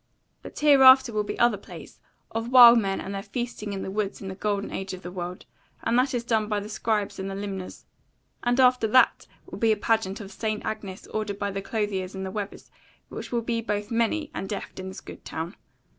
But hereafter will be other plays, of wild men and their feasting in the woods in the Golden Age of the world; and that is done by the scribes and the limners. And after that will be a pageant of St. Agnes ordered by the clothiers and the webbers, which be both many and deft in this good town.